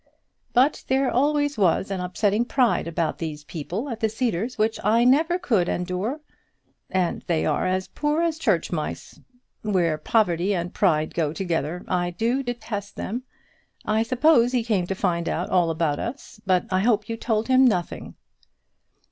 "But there always was an upsetting pride about those people at the Cedars which I never could endure. And they are as poor as church mice. When poverty and pride go together I do detest them. I suppose he came to find out all about us, but I hope you told him nothing."